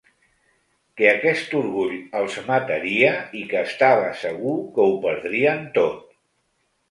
Que aquest orgull els mataria i que estava segur que ho perdrien tot.